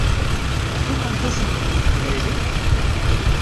Tfukkemt aselmed n teqbaylit?